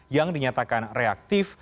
yang dikatakan reaktif